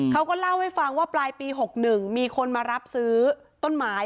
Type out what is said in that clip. เขาก็เล่าให้ฟังว่าปลายปี๖๑มีคนมารับซื้อต้นไม้